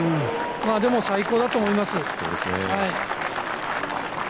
でも最高だと思います。